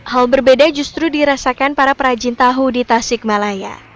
hal berbeda justru dirasakan para perajin tahu di tasikmalaya